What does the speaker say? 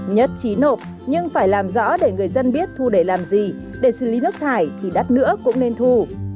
nhất trí nộp nhưng phải làm rõ để người dân biết thu để làm gì để xử lý nước thải thì đất nữa cũng nên thu